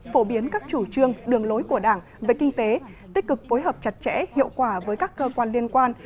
phổ biến các chủ trương đường lối của đảng về kinh tế tích cực phối hợp chặt chẽ hiệu quả với các cơ quan liên quan